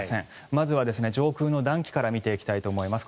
まずは上空の暖気から見ていきたいと思います。